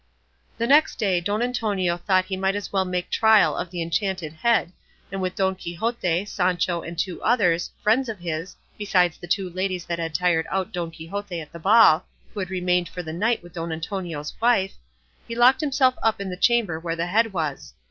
The next day Don Antonio thought he might as well make trial of the enchanted head, and with Don Quixote, Sancho, and two others, friends of his, besides the two ladies that had tired out Don Quixote at the ball, who had remained for the night with Don Antonio's wife, he locked himself up in the chamber where the head was.